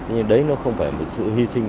nhưng đấy nó không phải một sự hy sinh